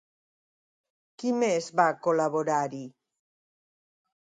Qui més va col·laborar-hi?